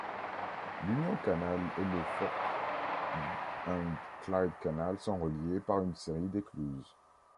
L'Union Canal et le Forth and Clyde Canal sont reliés par une série d'écluses.